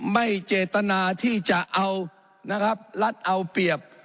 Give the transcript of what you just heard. ไม่เจตนาที่จะเอาลัดเอาเปรียบ